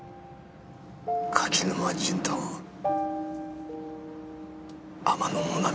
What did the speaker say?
柿沼仁と天野もなみだ。